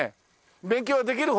勉強はできる方？